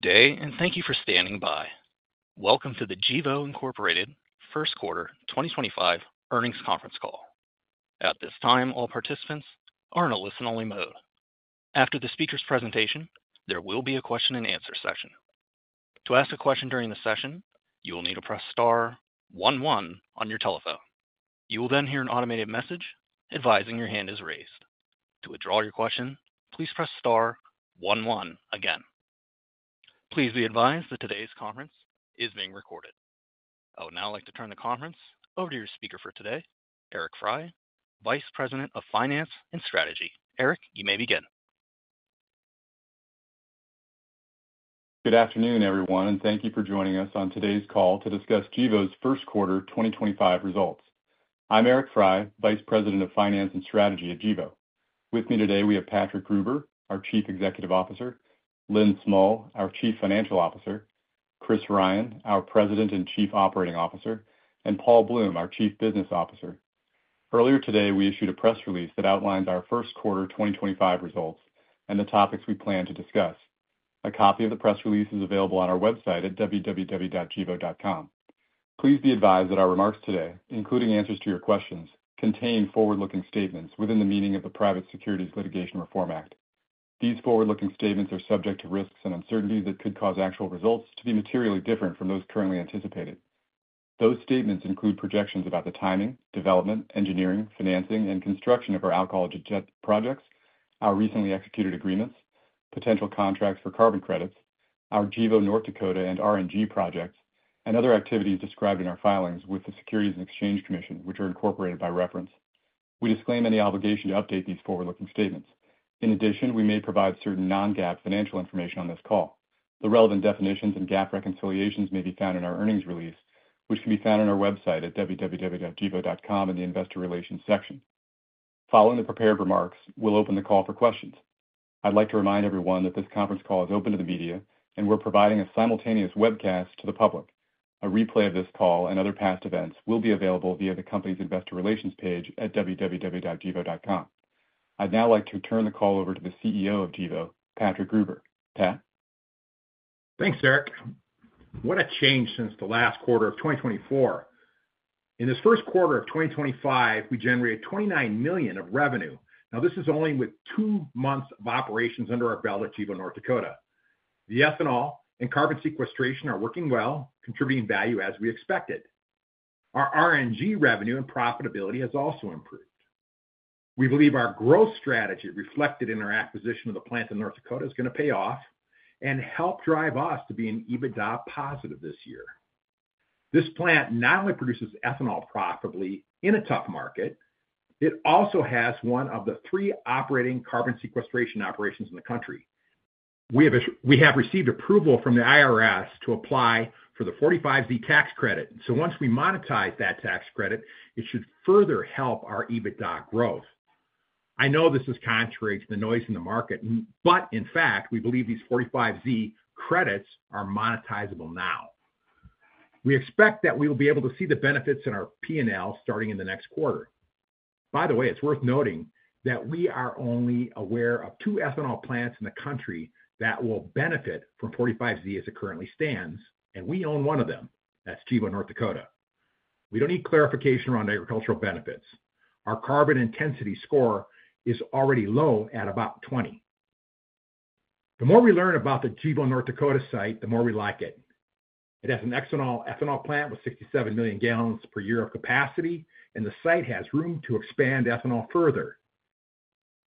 Today, and thank you for standing by. Welcome to the Gevo Incorporated first quarter 2025 earnings conference call. At this time, all participants are in a listen-only mode. After the speaker's presentation, there will be a question and answer session. To ask a question during the session, you will need to press star one one on your telephone. You will then hear an automated message advising your hand is raised. To withdraw your question, please press star one one again. Please be advised that today's conference is being recorded. I would now like to turn the conference over to your speaker for today, Eric Frey, Vice President of Finance and Strategy. Eric, you may begin. Good afternoon, everyone, and thank you for joining us on today's call to discuss Gevo's first quarter 2025 results. I'm Eric Frey, Vice President of Finance and Strategy at Gevo. With me today, we have Patrick Gruber, our Chief Executive Officer; Lynn Smull, our Chief Financial Officer; Chris Ryan, our President and Chief Operating Officer; and Paul Bloom, our Chief Business Officer. Earlier today, we issued a press release that outlines our first quarter 2025 results and the topics we plan to discuss. A copy of the press release is available on our website at www.gevo.com. Please be advised that our remarks today, including answers to your questions, contain forward-looking statements within the meaning of the Private Securities Litigation Reform Act. These forward-looking statements are subject to risks and uncertainties that could cause actual results to be materially different from those currently anticipated. Those statements include projections about the timing, development, engineering, financing, and construction of our alcohol projects, our recently executed agreements, potential contracts for carbon credits, our Gevo North Dakota and RNG projects, and other activities described in our filings with the Securities and Exchange Commission, which are incorporated by reference. We disclaim any obligation to update these forward-looking statements. In addition, we may provide certain non-GAAP financial information on this call. The relevant definitions and GAAP reconciliations may be found in our earnings release, which can be found on our website at www.gevo.com in the Investor Relations section. Following the prepared remarks, we'll open the call for questions. I'd like to remind everyone that this conference call is open to the media, and we're providing a simultaneous webcast to the public. A replay of this call and other past events will be available via the company's Investor Relations page at www.gevo.com. I'd now like to turn the call over to the CEO of Gevo, Patrick Gruber. Pat. Thanks, Eric. What a change since the last quarter of 2024. In this first quarter of 2025, we generated $29 million of revenue. Now, this is only with two months of operations under our belt at Gevo North Dakota. The ethanol and carbon sequestration are working well, contributing value as we expected. Our RNG revenue and profitability has also improved. We believe our growth strategy reflected in our acquisition of the plant in North Dakota is going to pay off and help drive us to be EBITDA positive this year. This plant not only produces ethanol profitably in a tough market, it also has one of the three operating carbon sequestration operations in the country. We have received approval from the IRS to apply for the 45Z tax credit. Once we monetize that tax credit, it should further help our EBITDA growth. I know this is contrary to the noise in the market, but in fact, we believe these 45Z credits are monetizable now. We expect that we will be able to see the benefits in our P&L starting in the next quarter. By the way, it's worth noting that we are only aware of two ethanol plants in the country that will benefit from 45Z as it currently stands, and we own one of them. That's Gevo North Dakota. We don't need clarification around agricultural benefits. Our carbon intensity score is already low at about 20. The more we learn about the Gevo North Dakota site, the more we like it. It has an ethanol plant with 67 million gallons per year of capacity, and the site has room to expand ethanol further,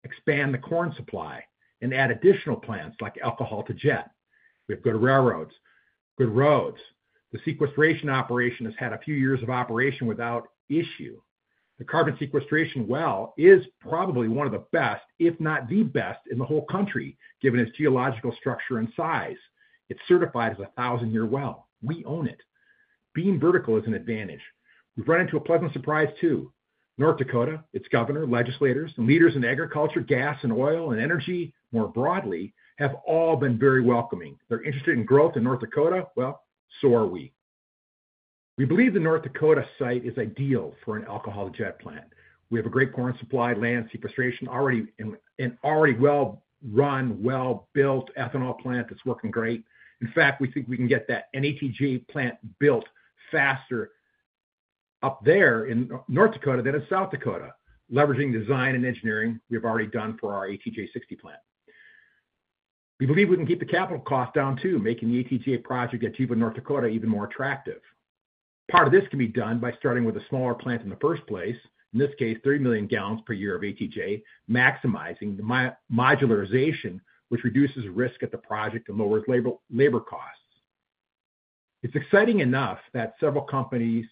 expand the corn supply, and add additional plants like Alcohol-to-Jet. We have good railroads. Good roads. The sequestration operation has had a few years of operation without issue. The carbon sequestration well is probably one of the best, if not the best, in the whole country given its geological structure and size. It's certified as a thousand-year well. We own it. Being vertical is an advantage. We've run into a pleasant surprise too. North Dakota, its governor, legislators, and leaders in agriculture, gas, and oil, and energy more broadly have all been very welcoming. They're interested in growth in North Dakota. We are too. We believe the North Dakota site is ideal for an Alcohol-to-Jet plant. We have a great corn supply, land sequestration, and already well-run, well-built ethanol plant that's working great. In fact, we think we can get that ATJ plant built faster up there in North Dakota than in South Dakota, leveraging design and engineering we've already done for our ATJ-60 plant. We believe we can keep the capital cost down too, making the ATJ project at Gevo North Dakota even more attractive. Part of this can be done by starting with a smaller plant in the first place, in this case, 30 million gallons per year of ATJ, maximizing the modularization, which reduces risk at the project and lowers labor costs. It's exciting enough that several companies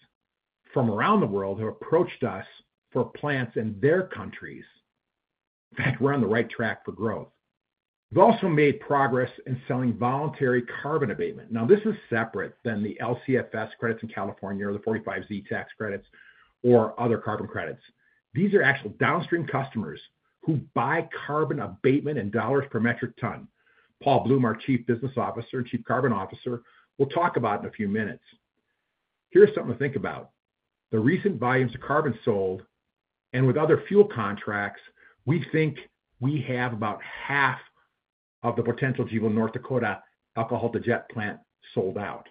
from around the world have approached us for plants in their countries. In fact, we're on the right track for growth. We've also made progress in selling voluntary carbon abatement. Now, this is separate than the LCFS credits in California or the 45Z tax credits or other carbon credits. These are actual downstream customers who buy carbon abatement in dollars per metric ton. Paul Bloom, our Chief Business Officer and Chief Carbon Officer, will talk about in a few minutes. Here's something to think about. The recent volumes of carbon sold and with other fuel contracts, we think we have about half of the potential Gevo North Dakota Alcohol-to-Jet plant sold out.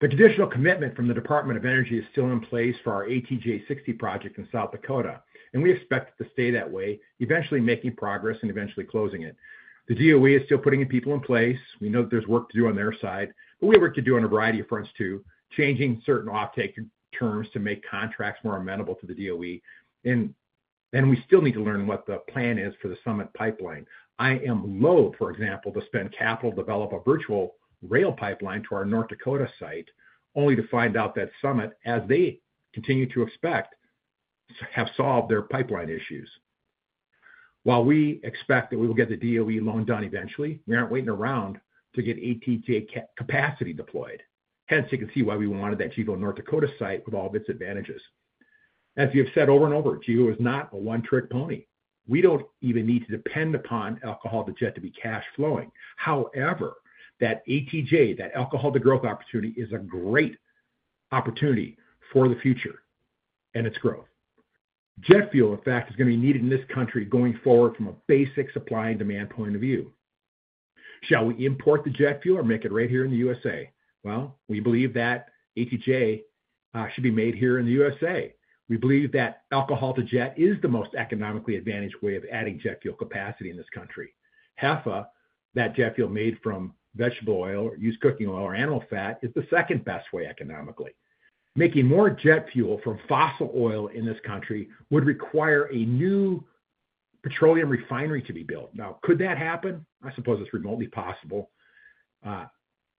The conditional commitment from the Department of Energy is still in place for our ATJ-60 project in South Dakota, and we expect it to stay that way, eventually making progress and eventually closing it. The DOE is still putting people in place. We know that there's work to do on their side, but we have work to do on a variety of fronts too, changing certain off-take terms to make contracts more amenable to the DOE. We still need to learn what the plan is for the Summit pipeline. I am loathe, for example, to spend capital to develop a virtual rail pipeline to our North Dakota site, only to find out that Summit, as they continue to expect, have solved their pipeline issues. While we expect that we will get the DOE loan done eventually, we aren't waiting around to get ATJ capacity deployed. Hence, you can see why we wanted that Gevo North Dakota site with all of its advantages. As you have said over and over, Gevo is not a one-trick pony. We don't even need to depend upon Alcohol-to-Jet to be cash flowing. However, that ATJ, that alcohol-to-growth opportunity, is a great opportunity for the future and its growth. Jet fuel, in fact, is going to be needed in this country going forward from a basic supply and demand point of view. Shall we import the jet fuel or make it right here in the USA? We believe that ATJ should be made here in the USA. We believe that Alcohol-to-Jet is the most economically advantaged way of adding jet fuel capacity in this country. Half of that jet fuel made from vegetable oil or used cooking oil or animal fat is the second best way economically. Making more jet fuel from fossil oil in this country would require a new petroleum refinery to be built. Now, could that happen? I suppose it's remotely possible.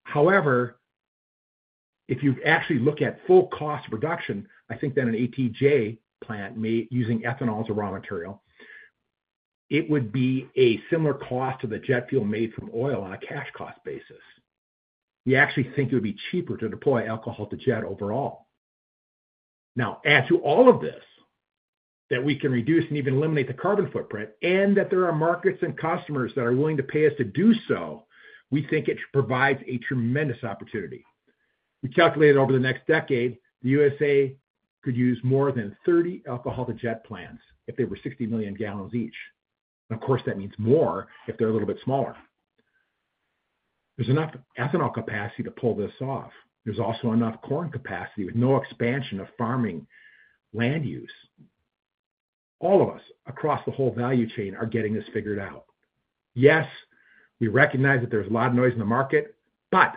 However, if you actually look at full cost production, I think that an ATJ plant using ethanol as a raw material, it would be a similar cost to the jet fuel made from oil on a cash cost basis. We actually think it would be cheaper to deploy Alcohol-to-Jet overall. Now, add to all of this that we can reduce and even eliminate the carbon footprint, and that there are markets and customers that are willing to pay us to do so, we think it provides a tremendous opportunity. We calculated over the next decade, the USA could use more than 30 Alcohol-to-Jet plants if they were 60 million gallons each. Of course, that means more if they're a little bit smaller. There's enough ethanol capacity to pull this off. There's also enough corn capacity with no expansion of farming land use. All of us across the whole value chain are getting this figured out. Yes, we recognize that there's a lot of noise in the market, but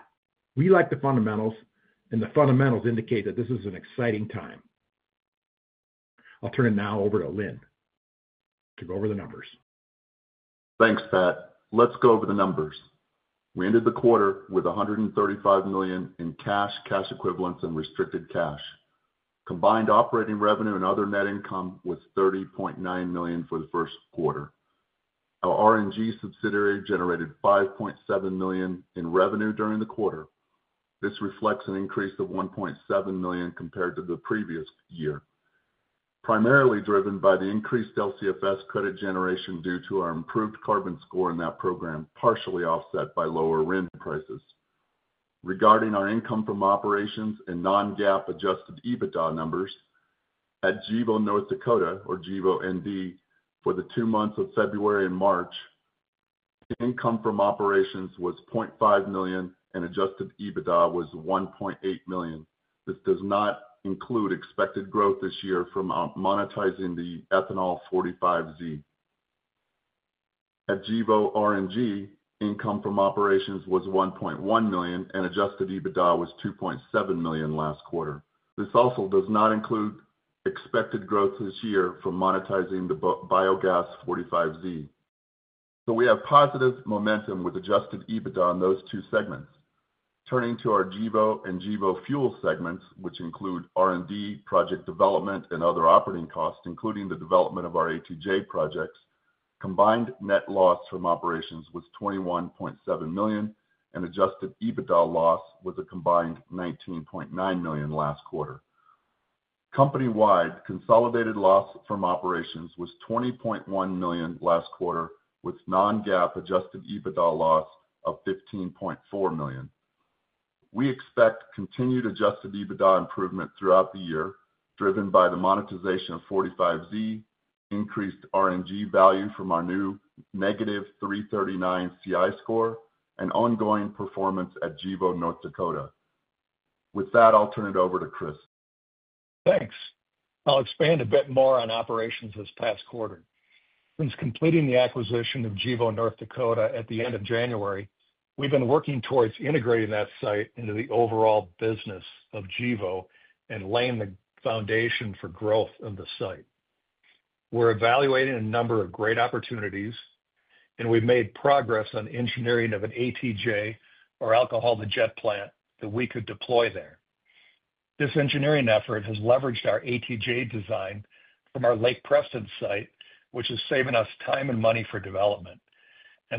we like the fundamentals, and the fundamentals indicate that this is an exciting time. I'll turn it now over to Lynn to go over the numbers. Thanks, Pat. Let's go over the numbers. We ended the quarter with $135 million in cash, cash equivalents, and restricted cash. Combined operating revenue and other net income was $30.9 million for the first quarter. Our RNG subsidiary generated $5.7 million in revenue during the quarter. This reflects an increase of $1.7 million compared to the previous year, primarily driven by the increased LCFS credit generation due to our improved carbon score in that program, partially offset by lower rent prices. Regarding our income from operations and non-GAAP adjusted EBITDA numbers, at Gevo North Dakota, or Gevo ND, for the two months of February and March, income from operations was $0.5 million, and adjusted EBITDA was $1.8 million. This does not include expected growth this year from monetizing the ethanol 45Z. At Gevo RNG, income from operations was $1.1 million, and adjusted EBITDA was $2.7 million last quarter. This also does not include expected growth this year from monetizing the biogas 45Z. We have positive momentum with adjusted EBITDA in those two segments. Turning to our Gevo and Gevo fuel segments, which include R&D, project development, and other operating costs, including the development of our ATJ projects, combined net loss from operations was $21.7 million, and adjusted EBITDA loss was a combined $19.9 million last quarter. Company-wide, consolidated loss from operations was $20.1 million last quarter, with non-GAAP adjusted EBITDA loss of $15.4 million. We expect continued adjusted EBITDA improvement throughout the year, driven by the monetization of 45Z, increased RNG value from our new negative 339 CI score, and ongoing performance at Gevo North Dakota. With that, I'll turn it over to Chris. Thanks. I'll expand a bit more on operations this past quarter. Since completing the acquisition of Gevo North Dakota at the end of January, we've been working towards integrating that site into the overall business of Gevo and laying the foundation for growth of the site. We're evaluating a number of great opportunities, and we've made progress on engineering of an ATJ, our Alcohol-to-Jet plant, that we could deploy there. This engineering effort has leveraged our ATJ design from our Lake Preston site, which is saving us time and money for development.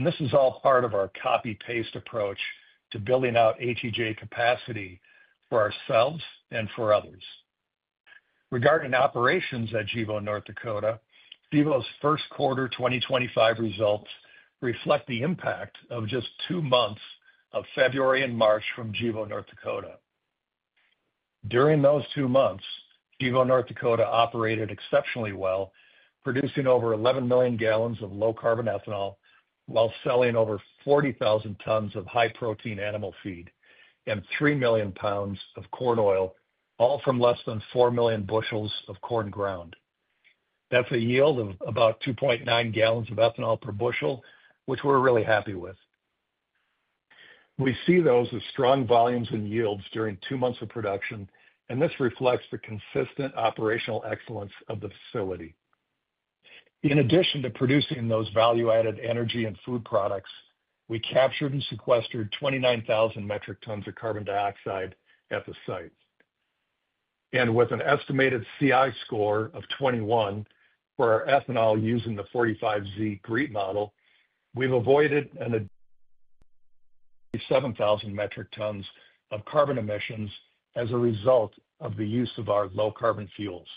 This is all part of our copy-paste approach to building out ATJ capacity for ourselves and for others. Regarding operations at Gevo North Dakota, Gevo's first quarter 2025 results reflect the impact of just two months of February and March from Gevo North Dakota. During those two months, Gevo North Dakota operated exceptionally well, producing over 11 million gallons of low-carbon ethanol while selling over 40,000 tons of high-protein animal feed and 3 million pounds of corn oil, all from less than 4 million bushels of corn ground. That's a yield of about 2.9 gallons of ethanol per bushel, which we're really happy with. We see those as strong volumes and yields during two months of production, and this reflects the consistent operational excellence of the facility. In addition to producing those value-added energy and food products, we captured and sequestered 29,000 metric tons of carbon dioxide at the site. With an estimated CI score of 21 for our ethanol using the 45Z grid model, we've avoided an additional 7,000 metric tons of carbon emissions as a result of the use of our low-carbon fuels.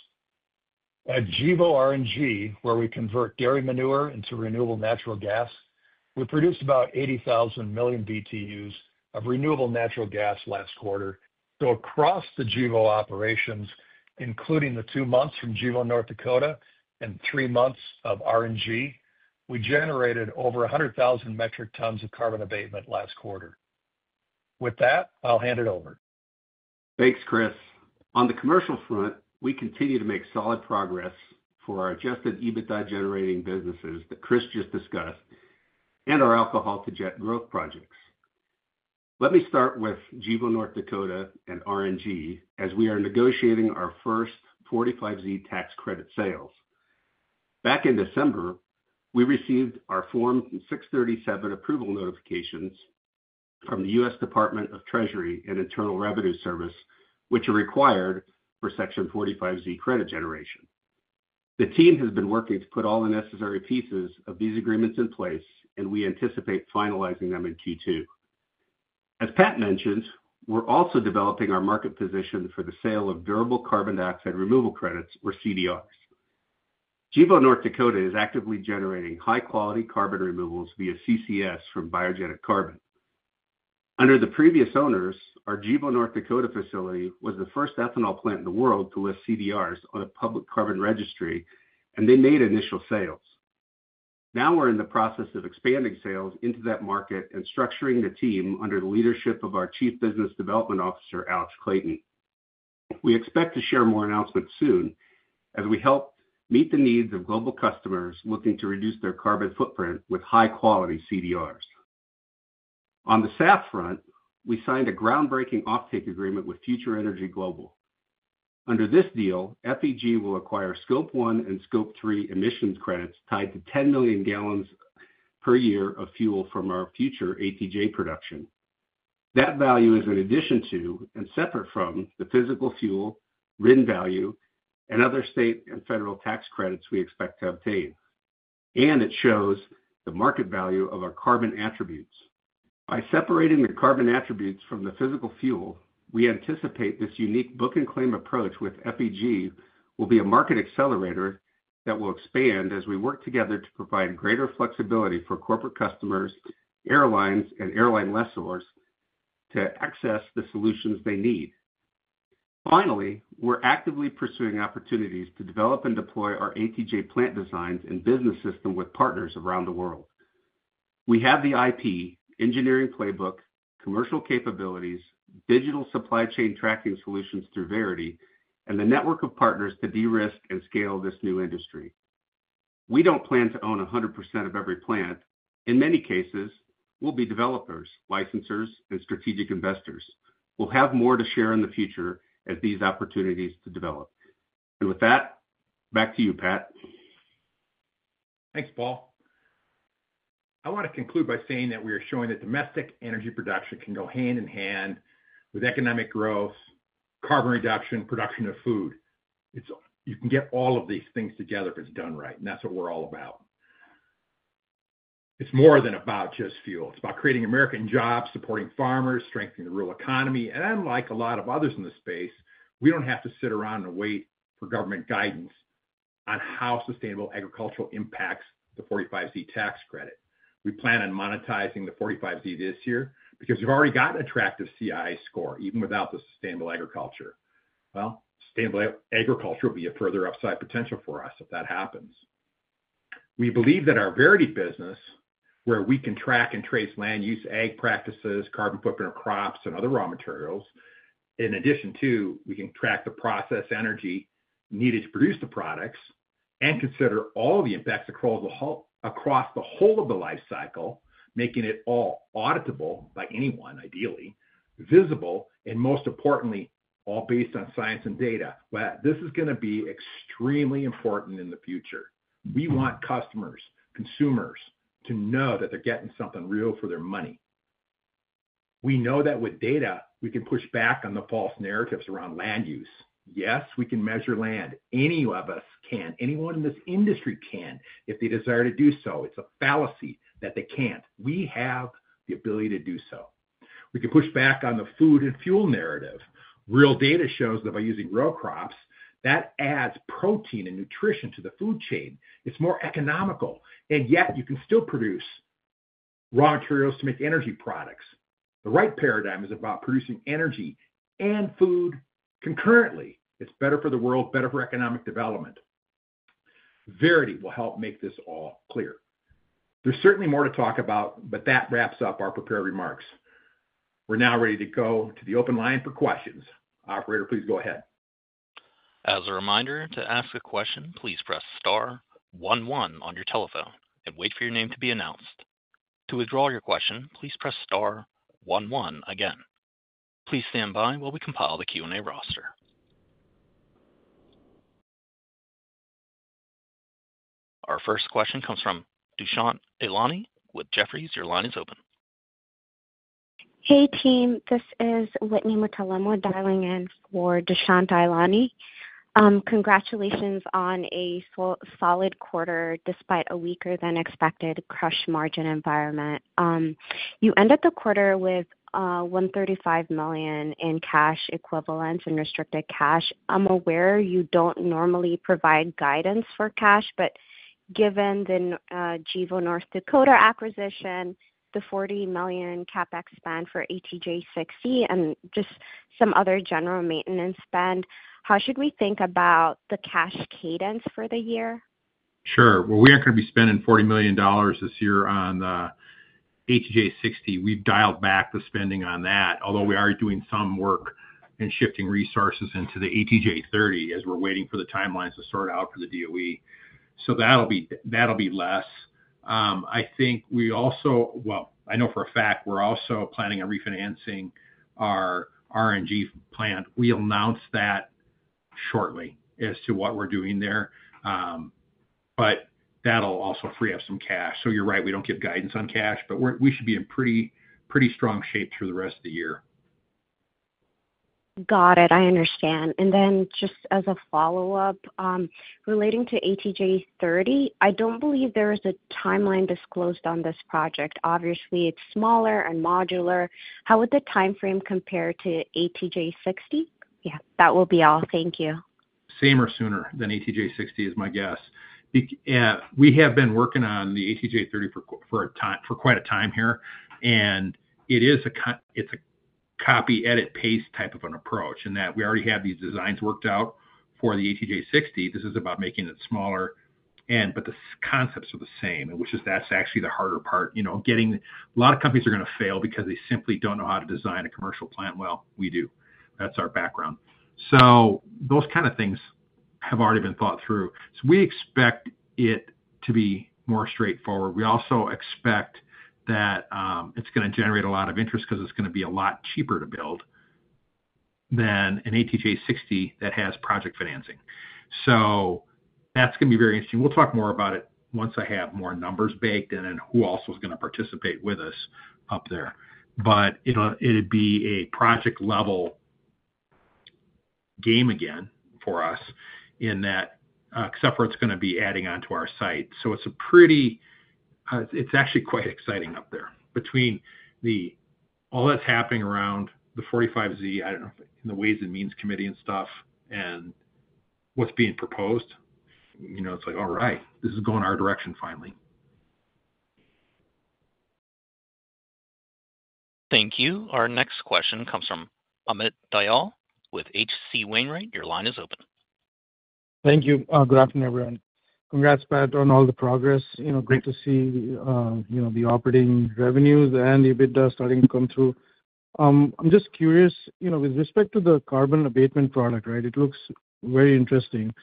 At Gevo RNG, where we convert dairy manure into renewable natural gas, we produced about 80,000 million BTUs of renewable natural gas last quarter. Across the Gevo operations, including the two months from Gevo North Dakota and three months of RNG, we generated over 100,000 metric tons of carbon abatement last quarter. With that, I'll hand it over. Thanks, Chris. On the commercial front, we continue to make solid progress for our adjusted EBITDA generating businesses that Chris just discussed and our Alcohol-to-Jet growth projects. Let me start with Gevo North Dakota and RNG as we are negotiating our first 45Z tax credit sales. Back in December, we received our Form 637 approval notifications from the U.S. Department of Treasury and Internal Revenue Service, which are required for Section 45Z credit generation. The team has been working to put all the necessary pieces of these agreements in place, and we anticipate finalizing them in Q2. As Pat mentioned, we're also developing our market position for the sale of durable carbon dioxide removal credits, or CDRs. Gevo North Dakota is actively generating high-quality carbon removals via CCS from biogenic carbon. Under the previous owners, our Gevo North Dakota facility was the first ethanol plant in the world to list CDRs on the public carbon registry, and they made initial sales. Now we're in the process of expanding sales into that market and structuring the team under the leadership of our Chief Business Development Officer, Alex Clayton. We expect to share more announcements soon as we help meet the needs of global customers looking to reduce their carbon footprint with high-quality CDRs. On the SAF front, we signed a groundbreaking off-take agreement with Future Energy Global. Under this deal, FEG will acquire Scope 1 and Scope 3 emissions credits tied to 10 million gallons per year of fuel from our future ATJ production. That value is in addition to and separate from the physical fuel, RIN value, and other state and federal tax credits we expect to obtain. It shows the market value of our carbon attributes. By separating the carbon attributes from the physical fuel, we anticipate this unique book and claim approach with FEG will be a market accelerator that will expand as we work together to provide greater flexibility for corporate customers, airlines, and airline lessors to access the solutions they need. Finally, we are actively pursuing opportunities to develop and deploy our ATJ plant designs and business system with partners around the world. We have the IP, engineering playbook, commercial capabilities, digital supply chain tracking solutions through Verity, and the network of partners to de-risk and scale this new industry. We do not plan to own 100% of every plant. In many cases, we will be developers, licensors, and strategic investors. We will have more to share in the future as these opportunities develop. With that, back to you, Pat. Thanks, Paul. I want to conclude by saying that we are showing that domestic energy production can go hand in hand with economic growth, carbon reduction, and production of food. You can get all of these things together if it's done right, and that's what we're all about. It's more than about just fuel. It's about creating American jobs, supporting farmers, strengthening the rural economy. Unlike a lot of others in the space, we do not have to sit around and wait for government guidance on how sustainable agriculture impacts the 45Z tax credit. We plan on monetizing the 45Z this year because we've already got an attractive CI score even without the sustainable agriculture. Sustainable agriculture will be a further upside potential for us if that happens. We believe that our Verity business, where we can track and trace land use, ag practices, carbon footprint of crops, and other raw materials, in addition to we can track the process energy needed to produce the products and consider all the impacts across the whole of the life cycle, making it all auditable by anyone, ideally, visible, and most importantly, all based on science and data. This is going to be extremely important in the future. We want customers, consumers to know that they're getting something real for their money. We know that with data, we can push back on the false narratives around land use. Yes, we can measure land. Any of us can. Anyone in this industry can if they desire to do so. It's a fallacy that they can't. We have the ability to do so. We can push back on the food and fuel narrative. Real data shows that by using row crops, that adds protein and nutrition to the food chain. It is more economical. Yet, you can still produce raw materials to make energy products. The right paradigm is about producing energy and food concurrently. It is better for the world, better for economic development. Verity will help make this all clear. There is certainly more to talk about, but that wraps up our prepared remarks. We are now ready to go to the open line for questions. Operator, please go ahead. As a reminder, to ask a question, please press star one one on your telephone and wait for your name to be announced. To withdraw your question, please press star one one again. Please stand by while we compile the Q&A roster. Our first question comes from Dushyant Ailani with Jefferies. Your line is open. Hey, team. This is Whitney Mutalemwa dialing in for Dushyant Ailani. Congratulations on a solid quarter despite a weaker-than-expected crush margin environment. You ended the quarter with $135 million in cash equivalents and restricted cash. I'm aware you don't normally provide guidance for cash, but given the Gevo North Dakota acquisition, the $40 million CapEx spend for ATJ-60, and just some other general maintenance spend, how should we think about the cash cadence for the year? Sure. We aren't going to be spending $40 million this year on the ATJ-60. We've dialed back the spending on that, although we are doing some work and shifting resources into the ATJ-30 as we're waiting for the timelines to sort out for the DOE. That'll be less. I think we also—I know for a fact we're also planning on refinancing our RNG plant. We'll announce that shortly as to what we're doing there, but that'll also free up some cash. You're right, we don't give guidance on cash, but we should be in pretty strong shape through the rest of the year. Got it. I understand. Just as a follow-up, relating to ATJ-30, I do not believe there is a timeline disclosed on this project. Obviously, it is smaller and modular. How would the timeframe compare to ATJ-60? That will be all. Thank you. Sooner than ATJ-60 is my guess. We have been working on the ATJ-30 for quite a time here, and it is a copy, edit, paste type of an approach in that we already have these designs worked out for the ATJ-60. This is about making it smaller, but the concepts are the same, which is—that's actually the harder part. A lot of companies are going to fail because they simply do not know how to design a commercial plant. We do. That is our background. Those kinds of things have already been thought through. We expect it to be more straightforward. We also expect that it is going to generate a lot of interest because it is going to be a lot cheaper to build than an ATJ-60 that has project financing. That is going to be very interesting. We'll talk more about it once I have more numbers baked and then who else is going to participate with us up there. It will be a project-level game again for us in that, except for it's going to be adding on to our site. It is actually quite exciting up there between all that's happening around the 45Z, I don't know, in the Ways and Means Committee and stuff and what's being proposed. It's like, "All right, this is going our direction finally. Thank you. Our next question comes from Amit Dayal with H.C. Wainwright. Your line is open. Thank you. Good afternoon, everyone. Congrats, Pat, on all the progress. Great to see the operating revenues and the EBITDA starting to come through. I'm just curious, with respect to the carbon abatement product, right? It looks very interesting.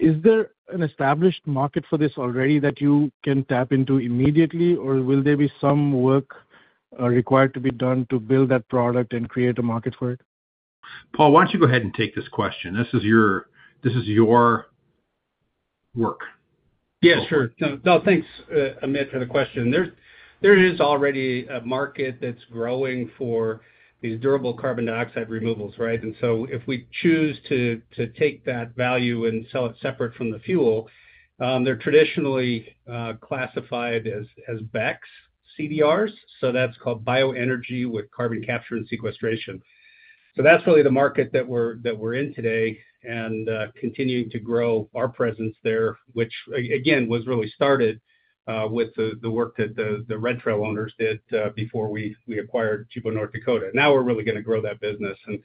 Is there an established market for this already that you can tap into immediately, or will there be some work required to be done to build that product and create a market for it? Paul, why don't you go ahead and take this question? This is your work. Yeah, sure. No, thanks, Amit, for the question. There is already a market that's growing for these durable carbon dioxide removals, right? If we choose to take that value and sell it separate from the fuel, they're traditionally classified as BECCS, CDRs. That's called bioenergy with carbon capture and sequestration. That's really the market that we're in today and continuing to grow our presence there, which, again, was really started with the work that the Red Trail owners did before we acquired Gevo North Dakota. Now we're really going to grow that business and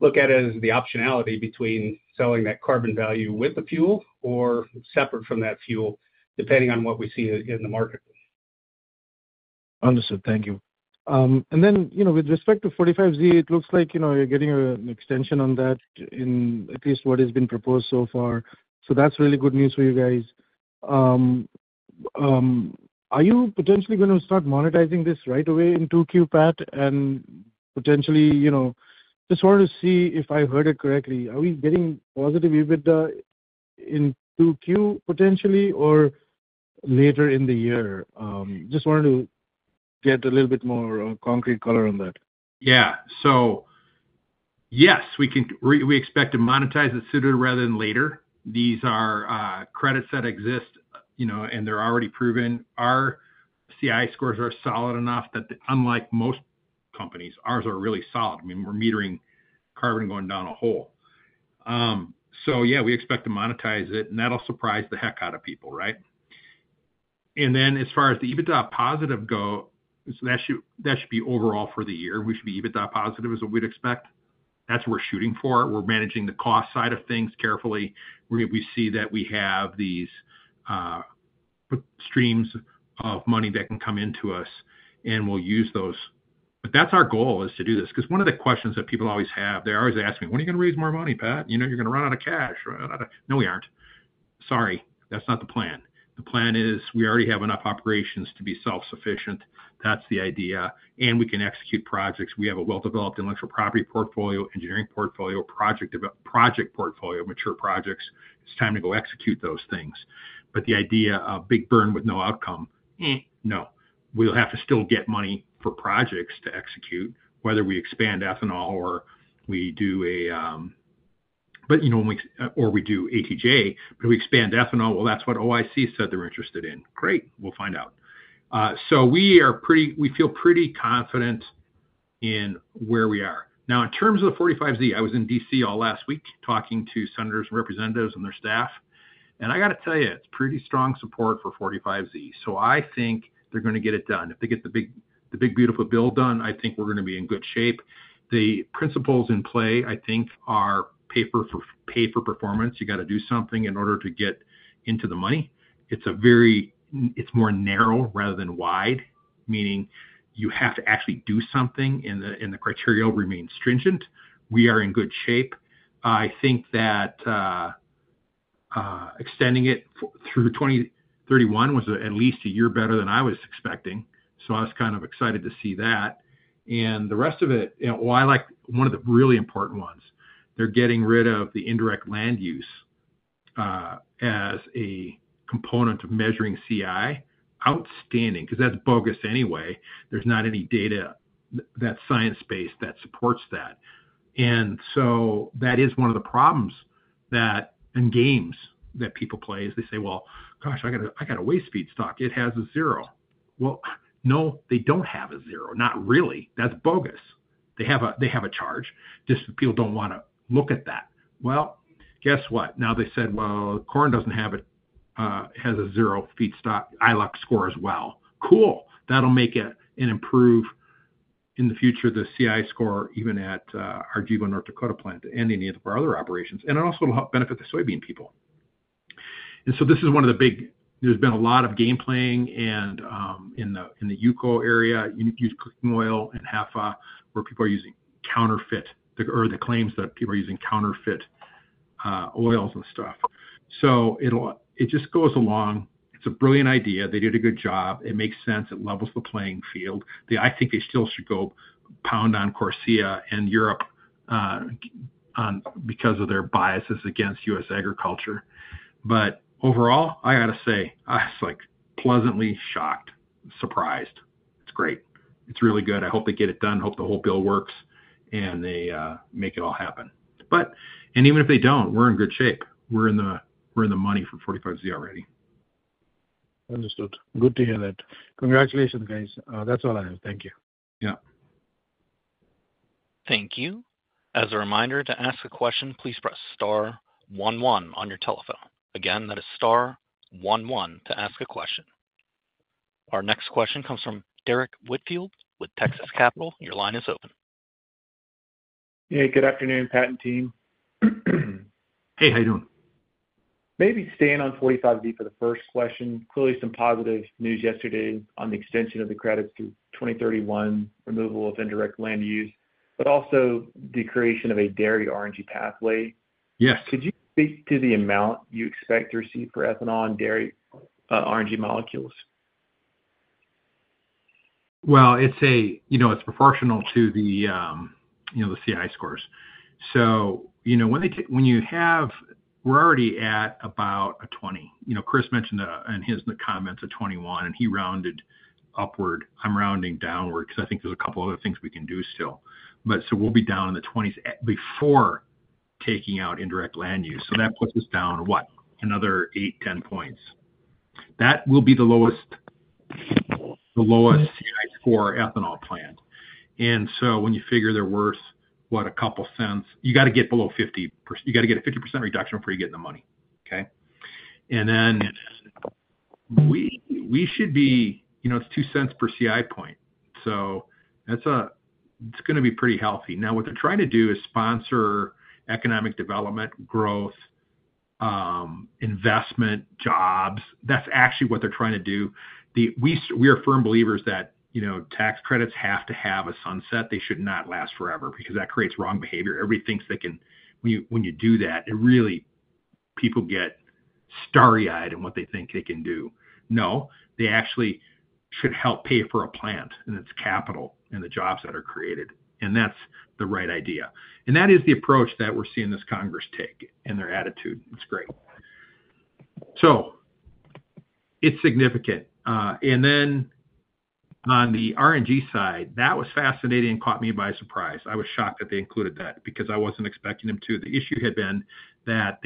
look at it as the optionality between selling that carbon value with the fuel or separate from that fuel, depending on what we see in the market. Understood. Thank you. With respect to 45Z, it looks like you're getting an extension on that in at least what has been proposed so far. That is really good news for you guys. Are you potentially going to start monetizing this right away in 2Q, Pat, and potentially—just wanted to see if I heard it correctly—are we getting positive EBITDA in 2Q potentially or later in the year? I just wanted to get a little bit more concrete color on that. Yeah. So yes, we expect to monetize it sooner rather than later. These are credits that exist, and they're already proven. Our CI scores are solid enough that, unlike most companies, ours are really solid. I mean, we're metering carbon going down a hole. Yeah, we expect to monetize it, and that'll surprise the heck out of people, right? As far as the EBITDA positive goes, that should be overall for the year. We should be EBITDA positive is what we'd expect. That's what we're shooting for. We're managing the cost side of things carefully. We see that we have these streams of money that can come into us, and we'll use those. That's our goal is to do this. Because one of the questions that people always have, they're always asking me, "When are you going to raise more money, Pat? You're going to run out of cash." No, we aren't. Sorry. That's not the plan. The plan is we already have enough operations to be self-sufficient. That's the idea. And we can execute projects. We have a well-developed intellectual property portfolio, engineering portfolio, project portfolio, mature projects. It's time to go execute those things. The idea of big burn with no outcome, no. We'll have to still get money for projects to execute, whether we expand ethanol or we do a—or we do ATJ, but if we expand ethanol, well, that's what OIC said they're interested in. Great. We'll find out. So we feel pretty confident in where we are. Now, in terms of the 45Z, I was in DC all last week talking to senators and representatives and their staff. I got to tell you, it's pretty strong support for 45Z. I think they're going to get it done. If they get the big, beautiful bill done, I think we're going to be in good shape. The principles in play, I think, are pay for performance. You got to do something in order to get into the money. It's more narrow rather than wide, meaning you have to actually do something, and the criteria remain stringent. We are in good shape. I think that extending it through 2031 was at least a year better than I was expecting. I was kind of excited to see that. The rest of it, I like one of the really important ones. They're getting rid of the indirect land use as a component of measuring CI. Outstanding. Because that's bogus anyway. There's not any data—that science base that supports that. That is one of the problems and games that people play as they say, "Well, gosh, I got a waste feedstock. It has a zero." No, they do not have a zero. Not really. That is bogus. They have a charge. Just people do not want to look at that. Guess what? Now they said, "Corn does not have a zero feedstock. ILOC scores well." Cool. That will make it an improved in the future, the CI score, even at our Gevo North Dakota plant and any of our other operations. It also will help benefit the soybean people. This is one of the big—there has been a lot of game playing in the Yuko area, used cooking oil and HEFA, where people are using counterfeit or the claims that people are using counterfeit oils and stuff. It just goes along. It is a brilliant idea. They did a good job. It makes sense. It levels the playing field. I think they still should go pound on Corsia and Europe because of their biases against U.S. agriculture. Overall, I got to say, I was pleasantly shocked, surprised. It's great. It's really good. I hope they get it done. I hope the whole bill works and they make it all happen. Even if they don't, we're in good shape. We're in the money for 45Z already. Understood. Good to hear that. Congratulations, guys. That's all I have. Thank you. Yeah. Thank you. As a reminder, to ask a question, please press star one one on your telephone. Again, that is star one one to ask a question. Our next question comes from Derrick Whitfield with Texas Capital. Your line is open. Hey, good afternoon, Pat and team. Hey, how you doing? Maybe staying on 45Z for the first question. Clearly, some positive news yesterday on the extension of the credits to 2031, removal of indirect land use, but also the creation of a dairy RNG pathway. Yes. Could you speak to the amount you expect to receive for ethanol and dairy RNG molecules? It is proportional to the CI scores. So when you have—we are already at about a 20. Chris mentioned in his comments a 21, and he rounded upward. I am rounding downward because I think there are a couple of other things we can do still. We will be down in the 20s before taking out indirect land use. That puts us down what? Another 8-10 points. That will be the lowest CI score ethanol plant. When you figure they are worth, what, a couple cents, you have to get below 50%. You have to get a 50% reduction before you get in the money. Okay? We should be—it is 2 cents per CI point. It is going to be pretty healthy. What they are trying to do is sponsor economic development, growth, investment, jobs. That is actually what they are trying to do. We are firm believers that tax credits have to have a sunset. They should not last forever because that creates wrong behavior. Everybody thinks they can—when you do that, it really—people get starry-eyed in what they think they can do. No, they actually should help pay for a plant, and its capital and the jobs that are created. That is the right idea. That is the approach that we are seeing this Congress take and their attitude. It is great. It is significant. On the RNG side, that was fascinating and caught me by surprise. I was shocked that they included that because I was not expecting them to. The issue had been that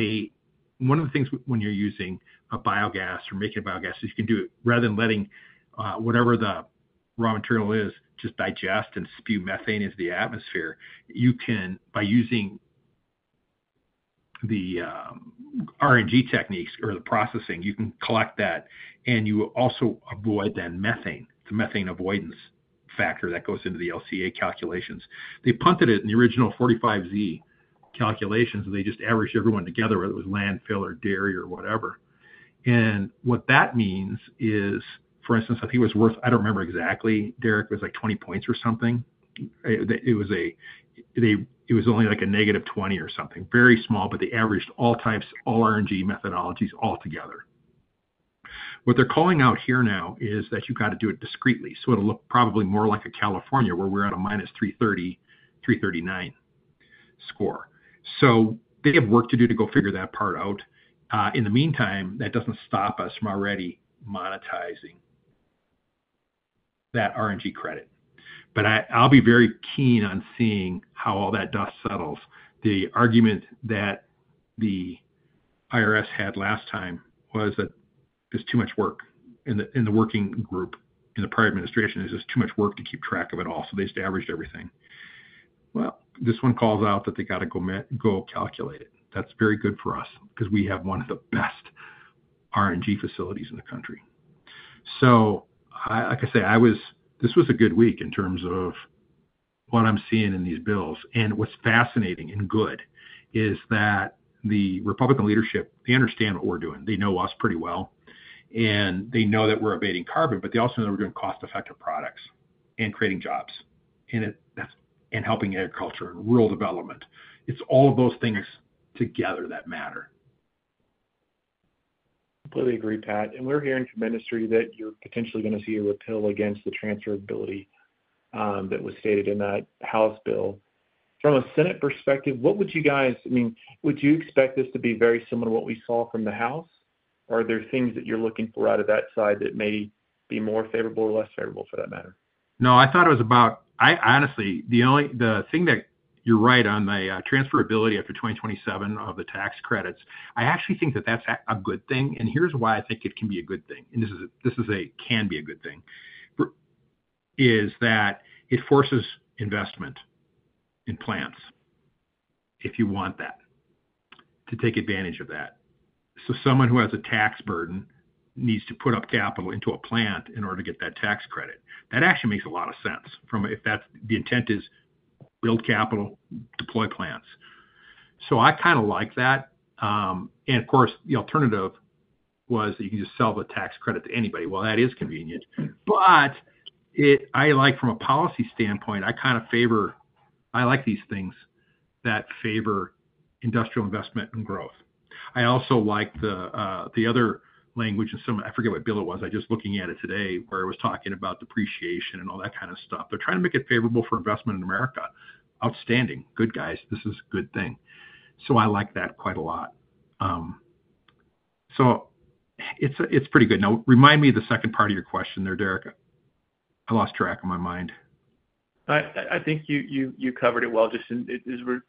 one of the things when you are using a biogas or making a biogas is you can do it rather than letting whatever the raw material is just digest and spew methane into the atmosphere. By using the RNG techniques or the processing, you can collect that, and you also avoid then methane. It's a methane avoidance factor that goes into the LCA calculations. They punted it in the original 45Z calculations, and they just averaged everyone together, whether it was landfill or dairy or whatever. What that means is, for instance, I think it was worth—I don't remember exactly. Derrick was like 20 points or something. It was only like a negative 20 or something. Very small, but they averaged all types, all RNG methodologies altogether. What they're calling out here now is that you've got to do it discreetly. It will look probably more like a California where we're at a minus 330, 339 score. They have work to do to go figure that part out. In the meantime, that doesn't stop us from already monetizing that RNG credit. I'll be very keen on seeing how all that dust settles. The argument that the IRS had last time was that there's too much work in the working group in the prior administration. There's just too much work to keep track of it all. They just averaged everything. This one calls out that they got to go calculate it. That's very good for us because we have one of the best RNG facilities in the country. Like I say, this was a good week in terms of what I'm seeing in these bills. What's fascinating and good is that the Republican leadership, they understand what we're doing. They know us pretty well. They know that we're abating carbon, but they also know we're doing cost-effective products and creating jobs and helping agriculture and rural development. It's all of those things together that matter. Completely agree, Pat. We are hearing from ministry that you are potentially going to see a repel against the transferability that was stated in that House bill. From a Senate perspective, what would you guys—I mean, would you expect this to be very similar to what we saw from the House? Are there things that you are looking for out of that side that may be more favorable or less favorable for that matter? No, I thought it was about—honestly, the thing that you're right on the transferability after 2027 of the tax credits, I actually think that that's a good thing. Here's why I think it can be a good thing. This can be a good thing because it forces investment in plants if you want that, to take advantage of that. Someone who has a tax burden needs to put up capital into a plant in order to get that tax credit. That actually makes a lot of sense if the intent is build capital, deploy plants. I kind of like that. The alternative was that you can just sell the tax credit to anybody. That is convenient. I like from a policy standpoint, I kind of favor—I like these things that favor industrial investment and growth. I also like the other language in some—I forget what bill it was. I was just looking at it today where it was talking about depreciation and all that kind of stuff. They're trying to make it favorable for investment in America. Outstanding. Good guys. This is a good thing. I like that quite a lot. It's pretty good. Now, remind me of the second part of your question there, Derrick. I lost track of my mind. I think you covered it well just in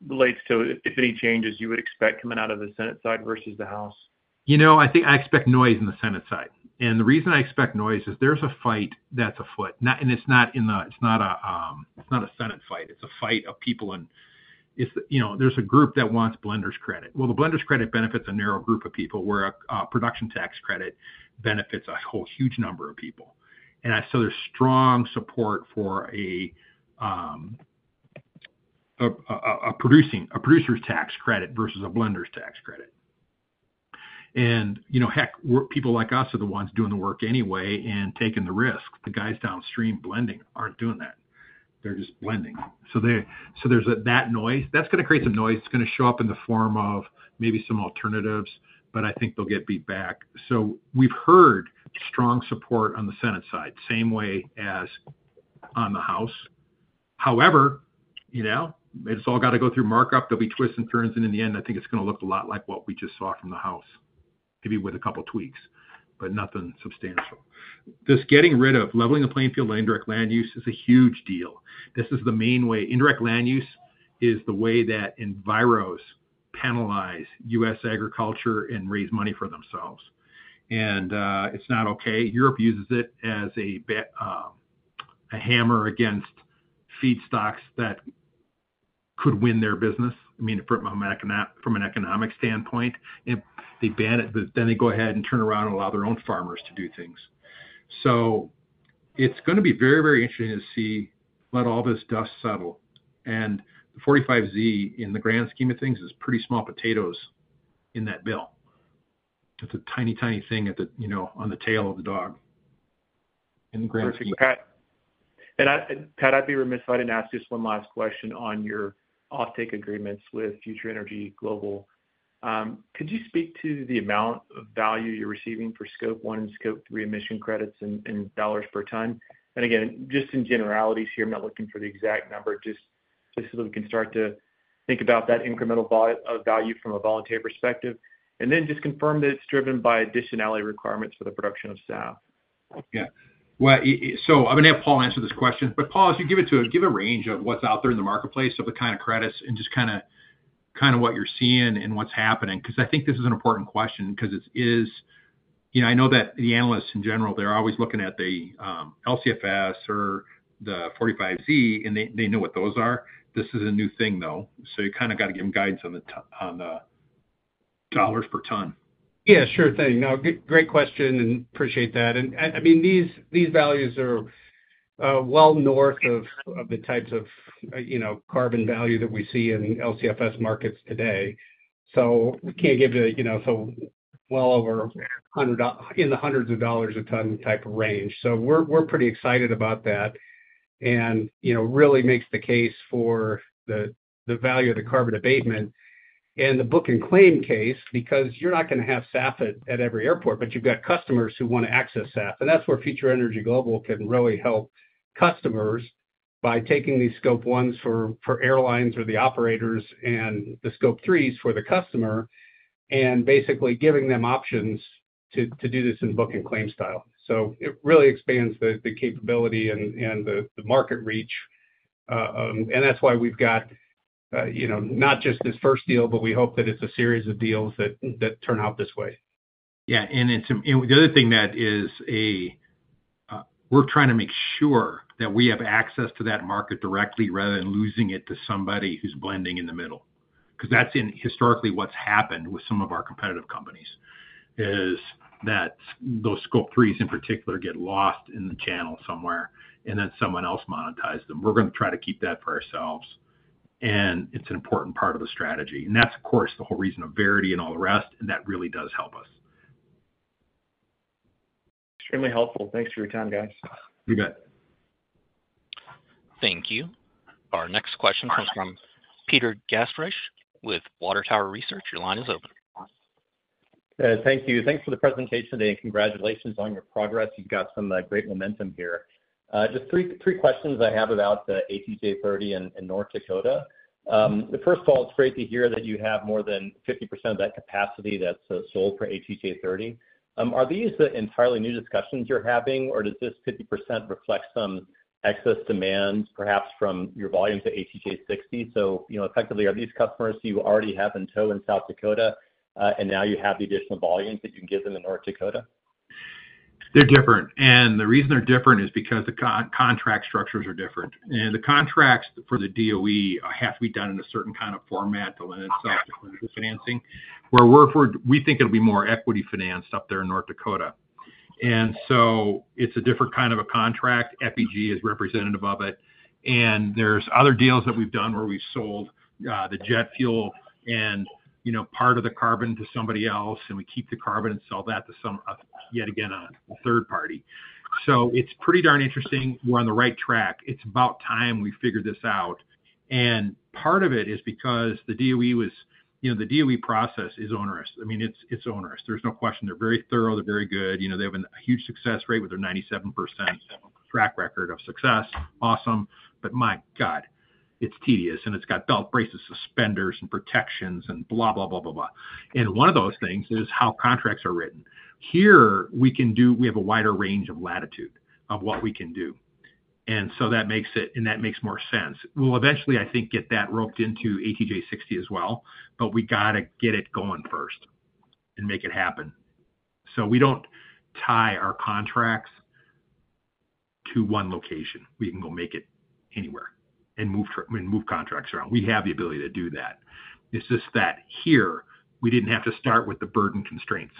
relates to if any changes you would expect coming out of the Senate side versus the House. I think I expect noise in the Senate side. The reason I expect noise is there's a fight that's afoot. It's not a Senate fight. It's a fight of people. There's a group that wants blenders credit. The blenders credit benefits a narrow group of people where a production tax credit benefits a whole huge number of people. There is strong support for a producer's tax credit versus a blender's tax credit. Heck, people like us are the ones doing the work anyway and taking the risk. The guys downstream blending are not doing that. They're just blending. There's that noise. That's going to create some noise. It's going to show up in the form of maybe some alternatives, but I think they'll get beat back. We've heard strong support on the Senate side, same way as on the House. However, it's all got to go through markup. There'll be twists and turns. In the end, I think it's going to look a lot like what we just saw from the House, maybe with a couple of tweaks, but nothing substantial. This getting rid of leveling the playing field on indirect land use is a huge deal. This is the main way. Indirect land use is the way that enviros penalize U.S. agriculture and raise money for themselves. It's not okay. Europe uses it as a hammer against feedstocks that could win their business, I mean, from an economic standpoint. They go ahead and turn around and allow their own farmers to do things. It's going to be very, very interesting to see all this dust settle. The 45Z, in the grand scheme of things, is pretty small potatoes in that bill. It's a tiny, tiny thing on the tail of the dog. Pat, I'd be remiss if I didn't ask just one last question on your offtake agreements with Future Energy Global. Could you speak to the amount of value you're receiving for Scope 1 and Scope 3 emission credits in dollars per ton? Again, just in generalities here, I'm not looking for the exact number, just so that we can start to think about that incremental value from a voluntary perspective. Then just confirm that it's driven by additionality requirements for the production of SAF. Yeah. I'm going to have Paul answer this question. Paul, if you give it to him, give a range of what's out there in the marketplace of the kind of credits and just kind of what you're seeing and what's happening. I think this is an important question because it is—I know that the analysts in general, they're always looking at the LCFS or the 45Z, and they know what those are. This is a new thing, though. You kind of got to give them guidance on the dollars per ton. Yeah, sure thing. Great question, and appreciate that. I mean, these values are well north of the types of carbon value that we see in LCFS markets today. We can't give you, so well over in the hundreds of dollars a ton type of range. We're pretty excited about that. It really makes the case for the value of the carbon abatement and the book and claim case because you're not going to have SAF at every airport, but you've got customers who want to access SAF. That's where Future Energy Global can really help customers by taking these scope ones for airlines or the operators and the scope threes for the customer and basically giving them options to do this in book and claim style. It really expands the capability and the market reach. That's why we've got not just this first deal, but we hope that it's a series of deals that turn out this way. Yeah. The other thing that is, we're trying to make sure that we have access to that market directly rather than losing it to somebody who's blending in the middle. Because that's historically what's happened with some of our competitive companies is that those scope threes in particular get lost in the channel somewhere, and then someone else monetizes them. We're going to try to keep that for ourselves. It's an important part of the strategy. That's, of course, the whole reason of Verity and all the rest, and that really does help us. Extremely helpful. Thanks for your time, guys. You bet. Thank you. Our next question comes from Peter Gastreich with Water Tower Research. Your line is open. Thank you. Thanks for the presentation today. Congratulations on your progress. You've got some great momentum here. Just three questions I have about the ATJ-30 and North Dakota. First of all, it's great to hear that you have more than 50% of that capacity that's sold for ATJ-30. Are these entirely new discussions you're having, or does this 50% reflect some excess demand, perhaps from your volume to ATJ-60? Effectively, are these customers you already have in tow in South Dakota, and now you have the additional volume that you can give them in North Dakota? They're different. The reason they're different is because the contract structures are different. The contracts for the DOE have to be done in a certain kind of format to limit self-defined financing, where we think it'll be more equity financed up there in North Dakota. It is a different kind of a contract. FEG is representative of it. There are other deals that we've done where we've sold the jet fuel and part of the carbon to somebody else, and we keep the carbon and sell that to some, yet again, a third party. It is pretty darn interesting. We're on the right track. It's about time we figured this out. Part of it is because the DOE process is onerous. I mean, it's onerous. There's no question. They're very thorough. They're very good. They have a huge success rate with their 97% track record of success. Awesome. My God, it's tedious. It's got belt, braces, and suspenders and protections and blah, blah, blah, blah, blah. One of those things is how contracts are written. Here, we have a wider range of latitude of what we can do. That makes it, and that makes more sense. We'll eventually, I think, get that roped into ATJ-60 as well. We got to get it going first and make it happen. We do not tie our contracts to one location. We can go make it anywhere and move contracts around. We have the ability to do that. It's just that here, we did not have to start with the burden constraints.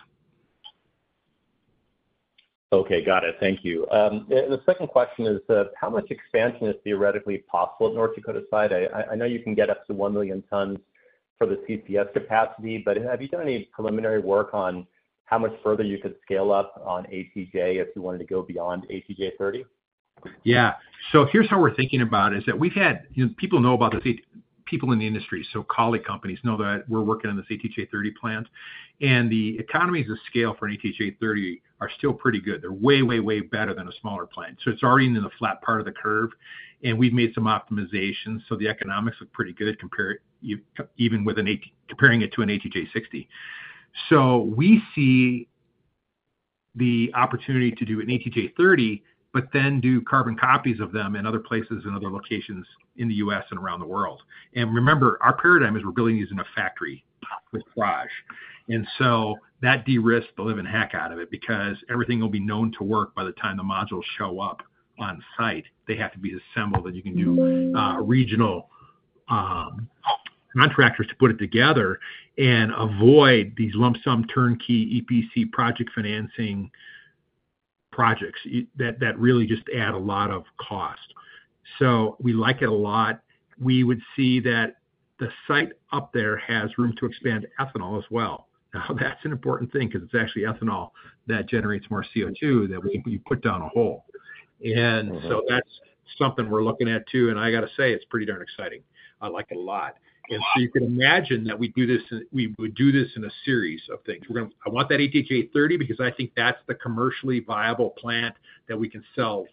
Okay. Got it. Thank you. The second question is, how much expansion is theoretically possible at North Dakota site? I know you can get up to 1 million tons for the CCS capacity, but have you done any preliminary work on how much further you could scale up on ATJ if you wanted to go beyond ATJ-30? Yeah. So here's how we're thinking about it. People know about the people in the industry, so colleague companies know that we're working on the ATJ-30 plant. The economies of scale for an ATJ-30 are still pretty good. They're way, way, way better than a smaller plant. It's already in the flat part of the curve. We've made some optimizations. The economics look pretty good even comparing it to an ATJ-60. We see the opportunity to do an ATJ-30, but then do carbon copies of them in other places and other locations in the U.S. and around the world. Remember, our paradigm is we're building these in a factory with FEG. That de-risked the living heck out of it because everything will be known to work by the time the modules show up on site. They have to be assembled, and you can do regional contractors to put it together and avoid these lump sum turnkey EPC project financing projects that really just add a lot of cost. We like it a lot. We would see that the site up there has room to expand ethanol as well. Now, that's an important thing because it's actually ethanol that generates more CO2 than we put down a hole. That is something we're looking at too. I got to say, it's pretty darn exciting. I like it a lot. You can imagine that we would do this in a series of things. I want that ATJ-30 because I think that's the commercially viable plant that we can sell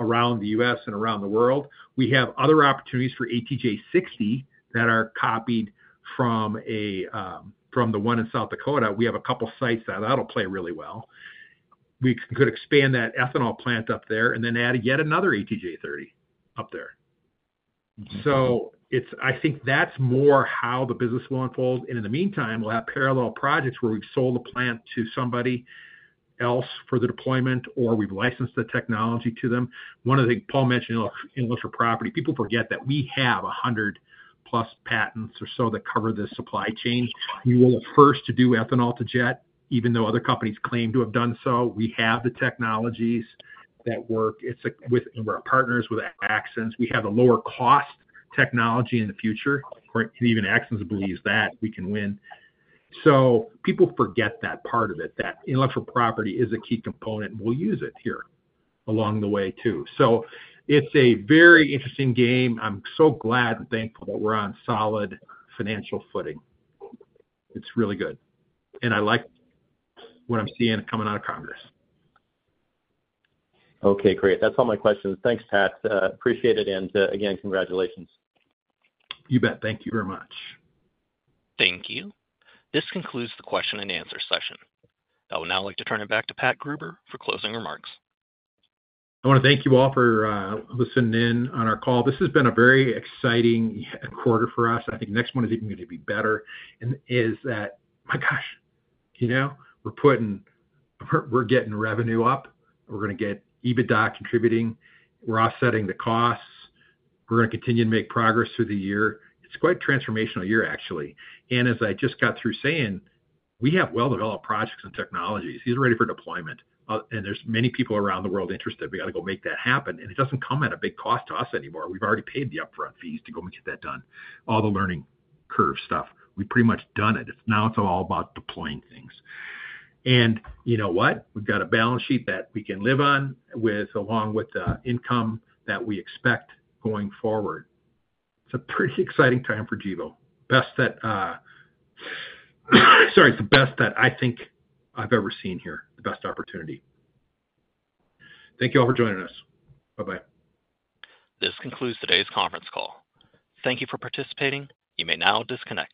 around the U.S. and around the world. We have other opportunities for ATJ-60 that are copied from the one in South Dakota. We have a couple of sites that will play really well. We could expand that ethanol plant up there and then add yet another ATJ-30 up there. I think that is more how the business will unfold. In the meantime, we will have parallel projects where we have sold a plant to somebody else for the deployment, or we have licensed the technology to them. One of the things Paul mentioned in the list of property, people forget that we have 100-plus patents or so that cover the supply chain. We were the first to do Ethanol-to-Jet, even though other companies claim to have done so. We have the technologies that work. We are partners with Axens. We have a lower-cost technology in the future. Even Axens believes that we can win. People forget that part of it, that intellectual property is a key component. We'll use it here along the way too. It is a very interesting game. I'm so glad and thankful that we're on solid financial footing. It's really good. I like what I'm seeing coming out of Congress. Okay. Great. That's all my questions. Thanks, Pat. Appreciate it. Again, congratulations. You bet. Thank you very much. Thank you. This concludes the question and answer session. I would now like to turn it back to Pat Gruber for closing remarks. I want to thank you all for listening in on our call. This has been a very exciting quarter for us. I think the next one is even going to be better. My gosh, we're getting revenue up. We're going to get EBITDA contributing. We're offsetting the costs. We're going to continue to make progress through the year. It's quite a transformational year, actually. As I just got through saying, we have well-developed projects and technologies. These are ready for deployment. There are many people around the world interested. We got to go make that happen. It does not come at a big cost to us anymore. We've already paid the upfront fees to go and get that done. All the learning curve stuff, we've pretty much done it. Now it's all about deploying things. You know what? We've got a balance sheet that we can live on along with the income that we expect going forward. It's a pretty exciting time for Gevo. Sorry, it's the best that I think I've ever seen here. The best opportunity. Thank you all for joining us. Bye-bye. This concludes today's conference call. Thank you for participating. You may now disconnect.